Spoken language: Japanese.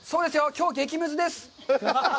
きょう激ムズです。